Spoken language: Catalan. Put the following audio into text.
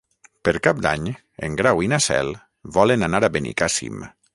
Per Cap d'Any en Grau i na Cel volen anar a Benicàssim.